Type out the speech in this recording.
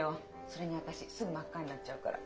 それに私すぐ真っ赤になっちゃうから。